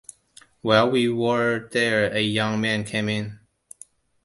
While we were there a young man came in.